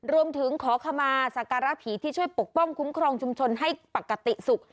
รวมถึงขอขมาสักการะผีที่ช่วยปกป้องคุ้มครองชุมชนให้ปกติสุข